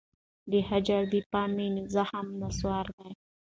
د هجر داغ مي زخم ناصور دی